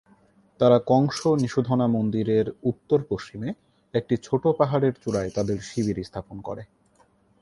তারা কংস-নিসুধনা মন্দিরের উত্তর-পশ্চিমে একটি ছোট পাহাড়ের চূড়ায় তাদের শিবির স্থাপন করে।